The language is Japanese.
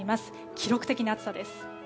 記録的な暑さです。